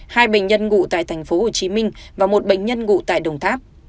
hai bệnh nhân ngủ tại tp hcm và một bệnh nhân ngủ tại đồng tháp